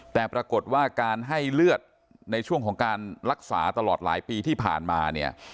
แต่ปรากฏว่าการให้เลือดในช่วงของการรักษาตลอดหลายปีที่ผ่านมาเนี่ย